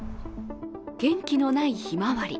元気のないひまわり。